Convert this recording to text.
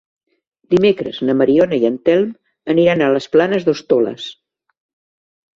Dimecres na Mariona i en Telm aniran a les Planes d'Hostoles.